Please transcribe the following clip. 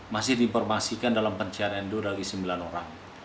masih diinformasikan dalam pencarian endur bagi sembilan orang